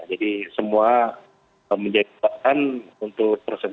jadi semua memiliki kekuatan untuk proses tkp